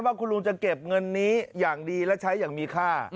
ว่าคุณลุงจะเก็บเงินนี้อย่างดีและใช้อย่างมีค่า